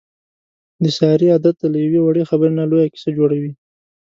د سارې عادت دی له یوې وړې خبرې نه لویه کیسه جوړوي.